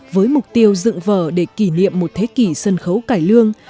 với mục tiêu dựng vở để kỷ niệm một thế kỷ sân khấu cải lương